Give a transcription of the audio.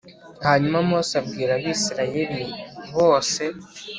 Hanyuma Mose abwira Abisirayeli bose